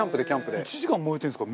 １時間燃えてるんですか？